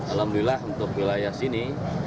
alhamdulillah untuk wilayah sini